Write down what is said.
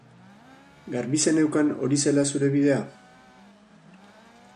Garbi zeneukan hori zela zure bidea?